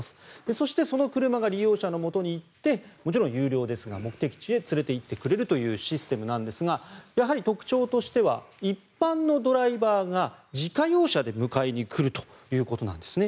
そして、その車が利用者のもとへ行ってもちろん有料ですが目的地へ連れていってくれるというシステムなんですがやはり特徴としては一般のドライバーが自家用車で迎えに来るということです。